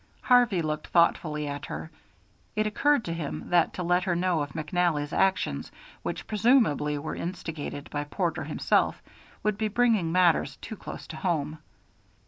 Harvey looked thoughtfully at her. It occurred to him that to let her know of McNally's actions, which presumably were instigated by Porter himself, would be bringing matters too close home.